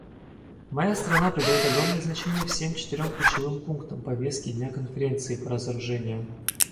Моя страна придает огромное значение всем четырем ключевым пунктам повестки дня Конференции по разоружению.